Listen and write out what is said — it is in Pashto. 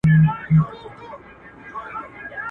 سپینه ورځ یې توره شپه لیده په سترګو.